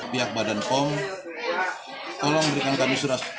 pihak badan pom tolong berikan kami surat